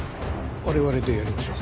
我々でやりましょう。